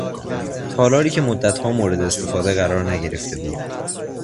تالاری که مدتها مورد استفاده قرار نگرفته بود